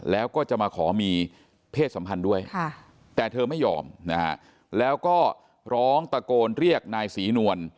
แล้วก็จะมาขอมีเพศสัมพันธ์ด้วยแต่เธอไม่ยอมนะฮะแล้วก็ร้องตะโกนเรียกนายศรีนวล